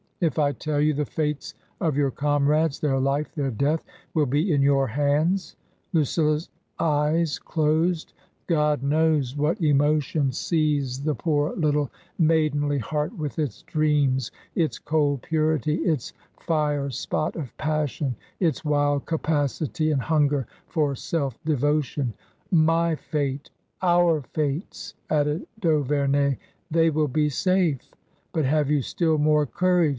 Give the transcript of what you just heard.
" If I tell you, the fates of your comrades — ^their life, their death — will be in your hands." Lucilla's eyes closed. God knows what emotion seized 272 TRANSITION. the poor little maidenly heart with its dreams, its cold purity, its fire spot of passion — its wild capacity and hunger for self devotion. " My fate — our fates," added d'Auverney. " They will be safe." " But have you still more courage